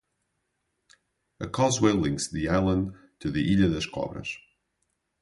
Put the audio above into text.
A causeway links the island to the Ilha das Cobras.